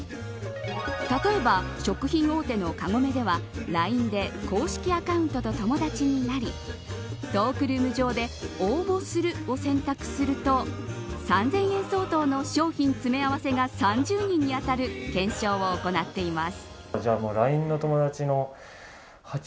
例えば、食品大手のカゴメではＬＩＮＥで公式アカウントと友達になりトークルーム上で応募するを選択すると３０００円相当の商品詰め合わせが３０人に当たる懸賞を行っています。